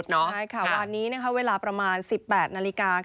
ใช่ค่ะวานนี้เวลาประมาณ๑๘นาฬิกา